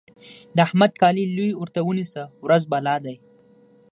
د احمد کالي لوی ورته ونيسه؛ ورځ بالا دی.